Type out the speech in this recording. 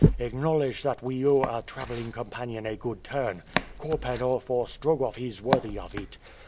Acknowledge that we owe our traveling companion a good turn. Korpanoff or Strogoff is worthy of it.